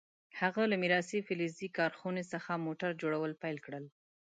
هغه له میراثي فلزي کارخونې څخه موټر جوړول پیل کړل.